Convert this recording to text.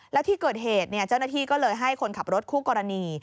แล้วที่เกิดเหตุเจ้าหน้าที่ก็เลยให้คนขับรถคู่กรณี